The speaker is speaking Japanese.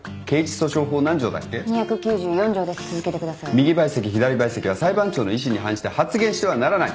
「右陪席左陪席は裁判長の意思に反して発言してはならない。